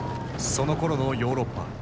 そのころのヨーロッパ。